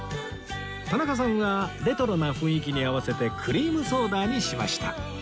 田中さんはレトロな雰囲気に合わせてクリームソーダにしました